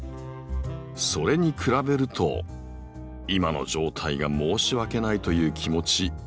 それに比べると今の状態が申し訳ないという気持ち分かります。